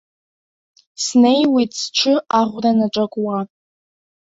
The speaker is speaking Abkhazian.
Снеиуеит сҽы аӷәра наҿакуа.